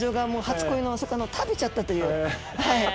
初恋のお魚を食べちゃったという何か。